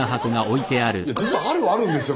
ずっとあるはあるんですよ